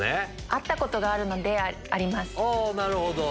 会ったことがあるのであります。